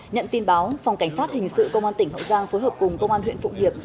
nhận tin báo phòng cảnh sát hình sự công an tỉnh hậu giang phối hợp cùng công an huyện phụng hiệp